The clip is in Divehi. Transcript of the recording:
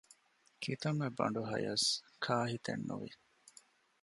ކިތަންމެ ބަނޑުހަޔަސް ކާހިތެއް ނުވި